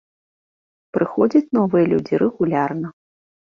Прыходзяць новыя людзі рэгулярна.